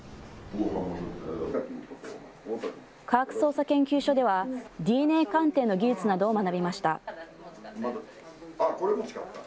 科学捜査研究所では、ＤＮＡ鑑定の技術などを学びました。